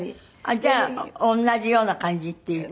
じゃあ同じような感じっていう。